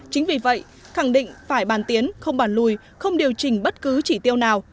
chính vì vậy khẳng định phải bàn tiến không bàn lùi không điều chỉnh bất cứ chỉ tiêu nào